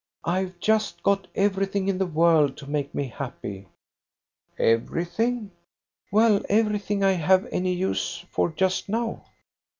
I've just got everything in the world to make me happy." "Everything?" "Well, everything I have any use for just now."